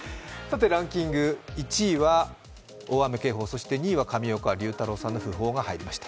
ランキング１位は大雨警報、そして２位は上岡龍太郎さんの訃報が入りました。